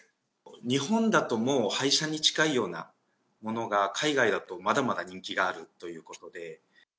日本だともう廃車に近いようなものが、海外だとまだまだ人気があるということで。